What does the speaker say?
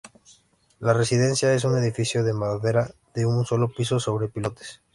La residencia es un edificio de madera de un solo piso sobre pilotes.